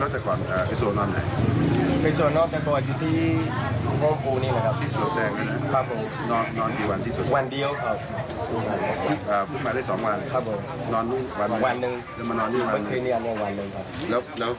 จะมานอนนี่วันหนึ่ง